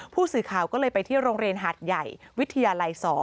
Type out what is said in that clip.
ผู้สื่อข่าวก็เลยไปที่โรงเรียนหาดใหญ่วิทยาลัย๒